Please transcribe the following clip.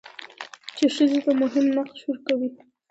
چې ښځې ته مهم نقش ورکړي؛